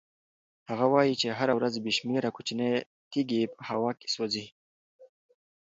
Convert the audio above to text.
هغه وایي چې هره ورځ بې شمېره کوچنۍ تېږې په هوا کې سوځي.